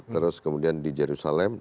terus kemudian di jerusalem